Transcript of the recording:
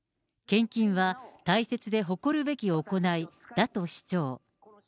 献金は大切で誇るべき行いだと主張。